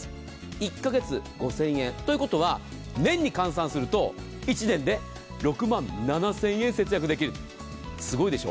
１か月５０００円。ということは年に換算すると１年で６万７０００円節約できるすごいでしょ？